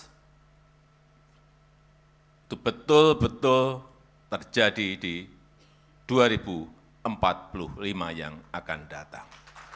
itu betul betul terjadi di dua ribu empat puluh lima yang akan datang